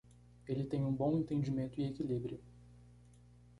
Ele tem um bom entendimento e equilíbrio